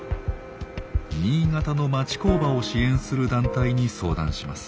新潟の町工場を支援する団体に相談します。